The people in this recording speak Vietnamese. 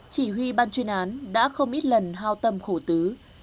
chỉ huy ban chuyên án đã không ít lần hao tâm khổ tứ